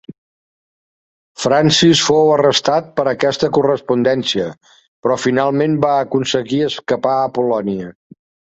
Francis fou arrestat per aquesta correspondència, però finalment va aconseguir escapar a Polònia.